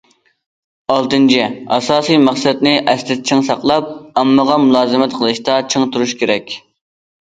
ئالتىنچى، ئاساسىي مەقسەتنى ئەستە چىڭ ساقلاپ، ئاممىغا مۇلازىمەت قىلىشتا چىڭ تۇرۇشى كېرەك.